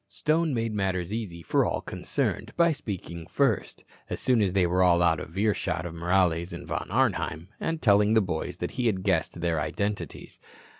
Stone made matters easy for all concerned by speaking first, as soon as they all were out of earshot of Morales and Von Arnheim, and telling the boys he had guessed their identities.